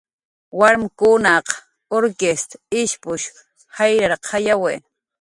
Warmkunaq urkist ishpush jayrarqayawi